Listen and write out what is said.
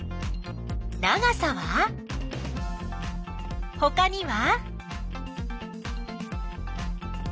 長さは？ほかには？